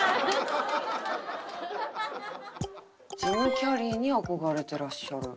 ジム・キャリーに憧れてらっしゃる。